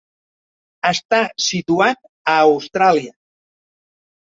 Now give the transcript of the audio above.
Està situat a Austràlia.